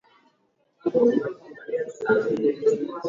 hadi mwaka elfu moja mia tisa kumi na nane